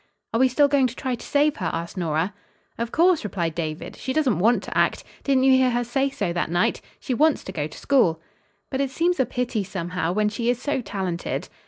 "Are we still going to try to save her?" asked Nora. "Of course," replied David. "She doesn't want to act. Didn't you hear her say so that night? She wants to go to school." "But it seems a pity, somehow, when she is so talented."